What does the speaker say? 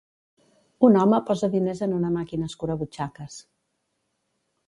Un home posa diners en una màquina escurabutxaques.